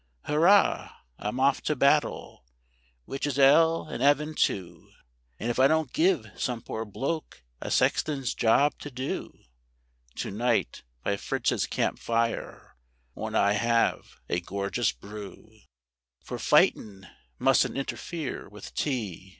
Hurrah! I'm off to battle, which is 'ell and 'eaven too; And if I don't give some poor bloke a sexton's job to do, To night, by Fritz's campfire, won't I 'ave a gorgeous brew (For fightin' mustn't interfere with Tea).